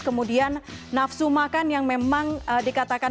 kemudian nafsu makan yang memang dikatakan